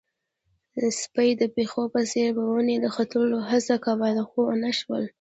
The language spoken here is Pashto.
سپي د پيشو په څېر په ونې د ختلو هڅه کوله، خو ونه شول.